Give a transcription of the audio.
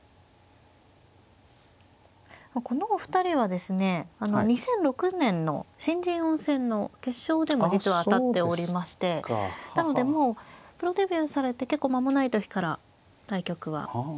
このお二人はですね２００６年の新人王戦の決勝でも実は当たっておりましてなのでもうプロデビューされて結構間もない時から対局はされていますね。